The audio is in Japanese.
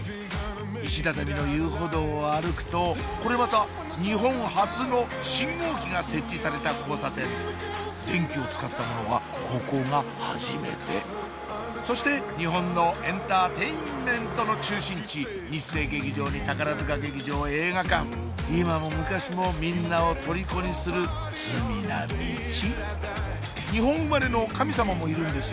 石畳の遊歩道を歩くとこれまた日本初の信号機が設置された交差点電気を使ったものはここが初めてそして日本のエンターテインメントの中心地日生劇場に宝塚劇場映画館今も昔もみんなを虜にする罪なミチ日本生まれの神様もいるんですよ